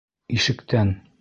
Ишектән!